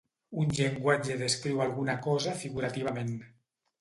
Un llenguatge descriu alguna cosa figurativament.